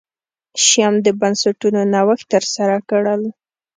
شیام د بنسټونو نوښت ترسره کړل.